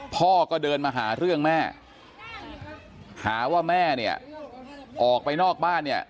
พ่อก็เดินมาหาเรื่องแม่หาว่าแม่เนี่ยออกไปนอกบ้านเนี่ย